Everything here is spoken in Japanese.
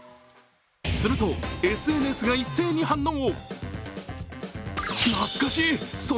すると、ＳＮＳが一斉に反応。